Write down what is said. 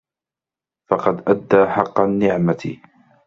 فَقَدْ أَدَّى حَقَّ النِّعْمَةِ